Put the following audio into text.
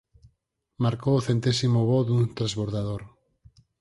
Marcou o centésimo voo dun transbordador.